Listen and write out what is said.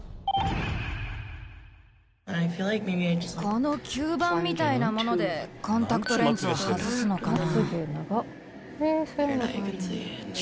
この吸盤みたいなものでコンタクトレンズを外すのかな？